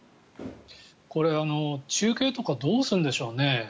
これ、中継とかどうするんでしょうね。